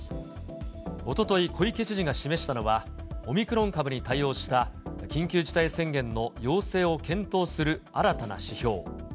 おととい、小池知事が示したのは、オミクロン株に対応した緊急事態宣言の陽性を検討する新たな指標。